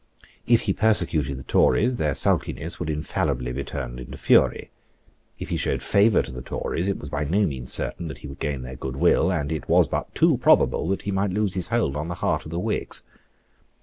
If he persecuted the Tories, their sulkiness would infallibly be turned into fury. If he showed favour to the Tories, it was by no means certain that he would gain their goodwill; and it was but too probable that he might lose his hold on the hearts of the Whigs.